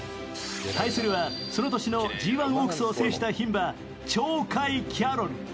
対するはその年のＧⅠオークスを制したひん馬チョウカイキャロル。